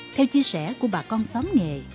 theo chia sẻ của bà con xóm nghề